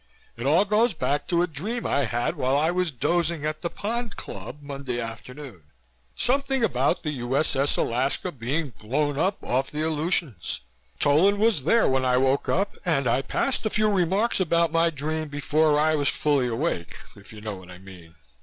It all goes back to a dream I had while I was dozing at the Pond Club Monday afternoon. Something about the U.S.S. Alaska being blown up off the Aleutians. Tolan was there when I woke up and I passed a few remarks about my dream before I was fully awake, if you know what I mean.